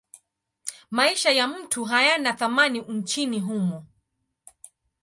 Maisha ya mtu hayana thamani nchini humo.